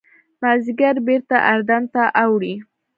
مازیګر بېرته اردن ته اوړي.